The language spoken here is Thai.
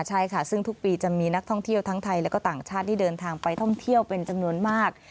ใช่ค่ะซึ่งทุกปีจะมีนักท่องเที่ยวทั้งไทยและก็ต่างชาติที่เดินทางไปท่องเที่ยวเป็นจำนวนมาก